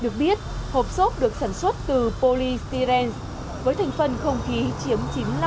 được biết hộp xốp được sản xuất từ polystyrene với thành phần không khí chiếm chín mươi năm